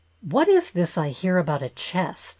"What is this I hear about a chest?"